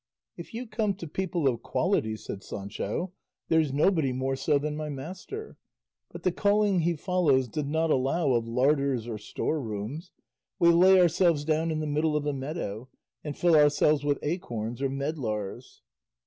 "If you come to people of quality," said Sancho, "there's nobody more so than my master; but the calling he follows does not allow of larders or store rooms; we lay ourselves down in the middle of a meadow, and fill ourselves with acorns or medlars."